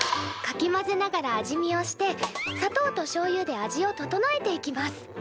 かき混ぜながら味見をして砂糖としょうゆで味を調えていきます。